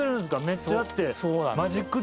めっちゃだって。